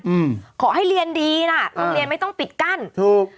อืมขอให้เรียนดีน่ะโรงเรียนไม่ต้องปิดกั้นถูก